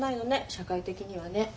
社会的にはね。